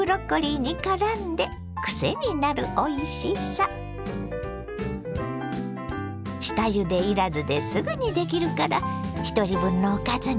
下ゆでいらずですぐにできるからひとり分のおかずにピッタリよ！